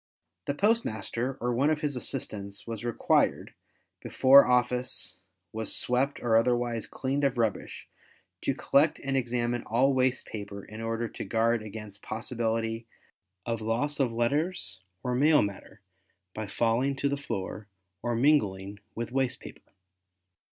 The postmaster, or one of his assistants, was required, before office was swept or otherwise cleaned of rubbish, to collect and examine all waste paper in order to guard against possibility of loss of letters or mail matter by falling to the floor or mingling with waste paper.